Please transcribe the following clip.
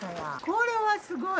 これはすごい！